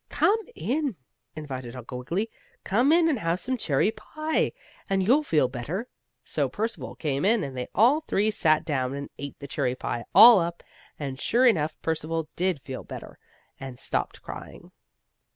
"Come in," invited Uncle Wiggily. "Come in, and have some cherry pie, and you'll feel better." So Percival came in, and they all three sat down, and ate the cherry pie all up, and sure enough Percival did feel better, and stopped crying.